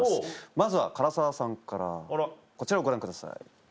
まずは唐沢さんからこちらをご覧ください。